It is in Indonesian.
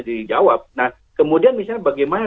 dijawab nah kemudian misalnya bagaimana